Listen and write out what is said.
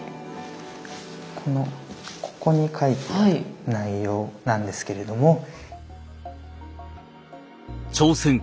このここに書いてある内容なんですけれども。